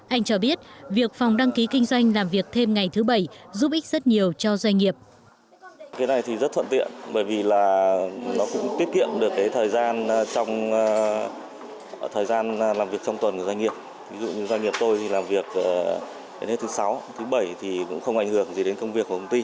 anh cho biết việc phòng đăng ký kinh doanh làm việc thêm ngày thứ bảy giúp ích rất nhiều cho doanh nghiệp